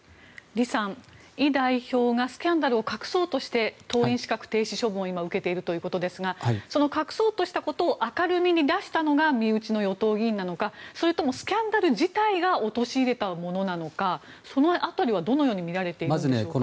李さん、イ代表がスキャンダルを隠そうとして党員資格停止処分を今、受けているということですがその隠そうとしたことを明るみに出したのが身内の与党議員なのかそれともスキャンダル自体が陥れたものなのかその辺りはどのようにみられているんでしょうか？